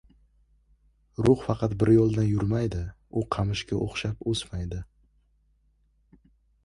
Ruh faqat bir yo‘ldan yurmaydi, u qamishga o‘xshab o‘smaydi.